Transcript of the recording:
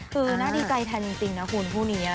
คือน่าดีใจแทนจริงนะคุณคู่นี้